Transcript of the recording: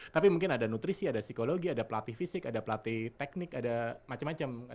tapi mungkin ada nutrisi ada psikologi ada pelatih fisik ada pelatih teknik ada macam macam